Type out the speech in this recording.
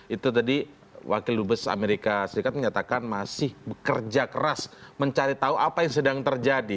itu tadi wakil dubes amerika serikat menyatakan masih bekerja keras mencari tahu apa yang sedang terjadi